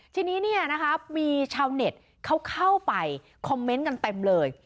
ทีนี้เนี่ยนะครับมีชาวเน็ตเข้าไปคอมเมนต์กันเต็มเลย